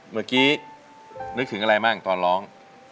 เมื่อกี้นึกถึงอะไรบ้างตอนร้อง